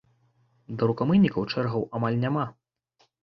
Да рукамыйнікаў чэргаў амаль няма.